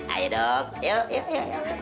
ayo dong yuk yuk yuk